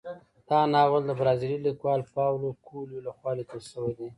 دا ناول د برازیلي لیکوال پاولو کویلیو لخوا لیکل شوی دی.